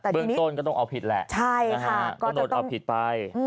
เรื่องต้นก็ต้องเอาผิดแหละก็โดนเอาผิดไป